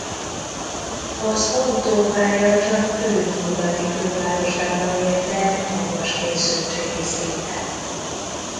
Az autópálya csak Brünn nyugati külvárosában ért el magas készültségi szintet.